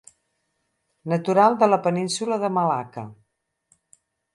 Natural de la península de Malaca.